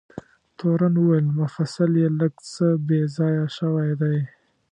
تورن وویل: مفصل یې لږ څه بې ځایه شوی دی.